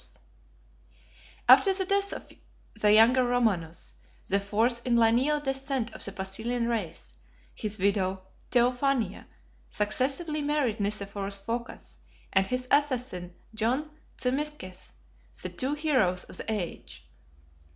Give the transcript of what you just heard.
] After the death of the younger Romanus, the fourth in lineal descent of the Basilian race, his widow Theophania successively married Nicephorus Phocas and his assassin John Zimisces, the two heroes of the age.